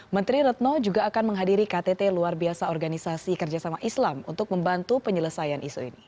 menteri retno juga akan menghadiri ktt luar biasa organisasi kerjasama islam untuk membantu penyelesaian isu ini